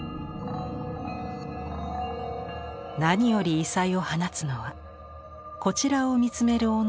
何より異彩を放つのはこちらを見つめる女の妖しい顔。